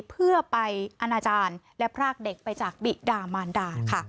เพื่อไปอนาจารย์และพรากเด็กไปจากบิดามานดาค่ะ